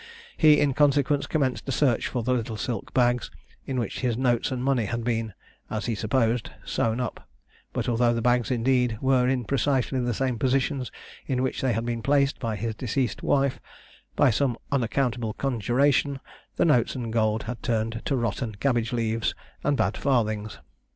He, in consequence, commenced a search for the little silk bags, in which his notes and money had been, as he supposed, sewn up; but although the bags indeed were in precisely the same positions in which they had been placed by his deceased wife, by some unaccountable conjuration, the notes and gold had turned to rotten cabbage leaves and bad farthings.